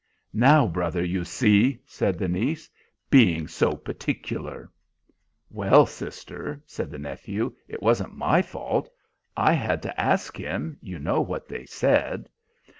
"Now, brother, you see!" said the niece. "Being so particular!" "Well, sister," said the nephew, "it wasn't my fault. I had to ask him. You know what they said."